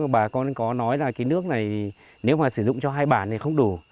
bà con có nói là cái nước này nếu mà sử dụng cho hai bản thì không đủ